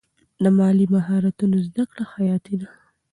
د مالي مهارتونو زده کړه حیاتي ده.